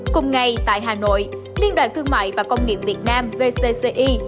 cùng ngày tại hà nội liên đoàn thương mại và công nghiệp việt nam vcci